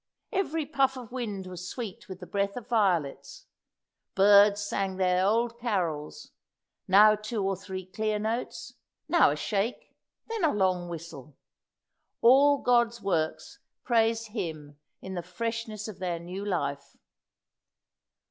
Every puff of wind was sweet with the breath of violets; birds sang their old carols now two or three clear notes now a shake then a long whistle. All God's works praised Him in the freshness of their new life.